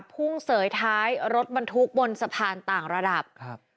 เสยท้ายรถบรรทุกบนสะพานต่างระดับครับ